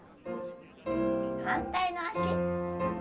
反対の脚。